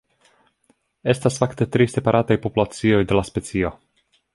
Estas fakte tri separataj populacioj de la specio.